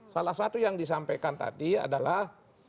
salah satu yang disampaikan tadi adalah